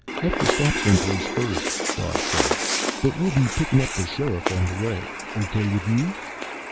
"Have to stop someplace first," Dawes said. "But we'll be pickin' up the Sheriff on the way. Okay with you?"